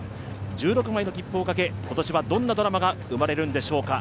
１６枚の切符をかけ、今年はどんなドラマが生まれるんでしょうか。